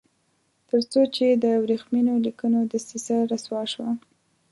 تر څو چې د ورېښمینو لیکونو دسیسه رسوا شوه.